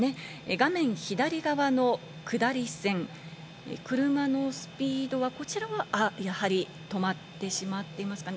画面左側の下り線、車のスピードはやはりこちらは止まっていますかね。